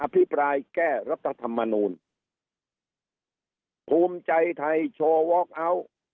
พิปรายแก้รัฐธรรมนูลภูมิใจไทยโชว์วอคเอาท์